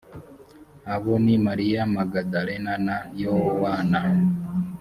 abo ni mariya magadalena na yowana